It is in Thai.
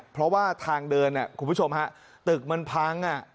เพราะว่าทางเดินคุณผู้ชมฮะตึกมันพัง